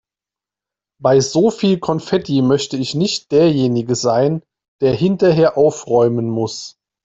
Bei so viel Konfetti möchte ich nicht derjenige sein, der hinterher aufräumen muss.